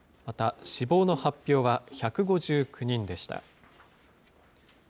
また死亡の発表は１５９人でした。